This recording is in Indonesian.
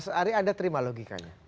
mas ari anda terima logikanya